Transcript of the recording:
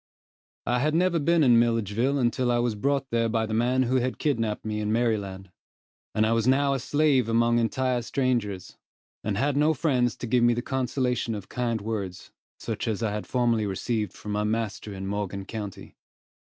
I had never been in Milledgeville until I was brought there by the man who had kidnapped me in Maryland, and I was now a slave among entire strangers, and had no friend to give me the consolation of kind words, such as I had formerly received from my master in Morgan county.